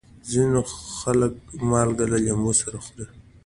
ځینې خلک مالګه له لیمو سره خوري.